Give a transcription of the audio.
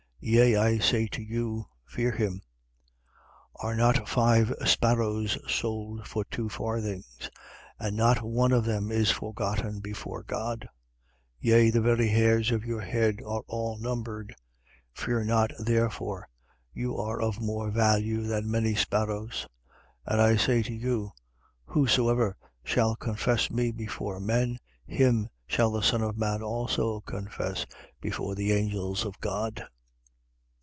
Yea, I say to you: Fear him. 12:6. Are not five sparrows sold for two farthings, and not one of them is forgotten before God? 12:7. Yea, the very hairs of your head are all numbered. Fear not therefore: you are of more value than many sparrows. 12:8. And I say to you: Whosoever shall confess me before men, him shall the Son of man also confess before the angels of God.